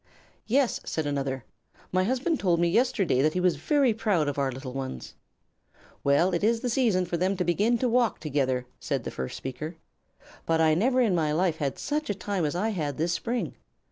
"Yes," said another; "my husband told me yesterday that he was very proud of our little ones." "Well, it is the season for them to begin to walk together," said the first speaker; "but I never in my life had such a time as I had this spring.